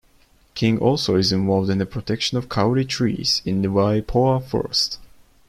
King also is involved in the protection of kauri trees in the Waipoua Forest.